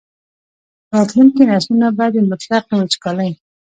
راتلونکي نسلونه به د مطلقې وچکالۍ.